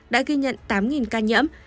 đã ghi nhận tám ca nhiễm